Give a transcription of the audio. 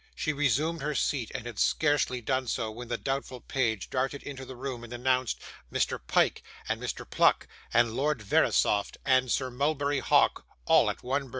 She resumed her seat, and had scarcely done so, when the doubtful page darted into the room and announced, Mr. Pyke, and Mr. Pluck, and Lord Verisopht, and Sir Mulberry Hawk, all at one burst.